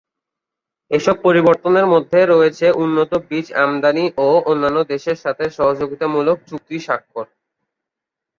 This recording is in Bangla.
এসব পরিবর্তনের মধ্যে রয়েছে উন্নত বীজ আমদানি ও অন্যান্য দেশের সাথে সহযোগিতামূলক চুক্তি স্বাক্ষর।